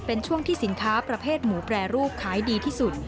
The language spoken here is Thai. เป็นช่วงที่สินค้าประเภทหมูแปรรูปขายดีที่สุด